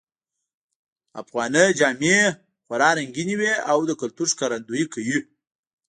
افغانۍ جامې خورا رنګینی وی او د کلتور ښکارندویې کوی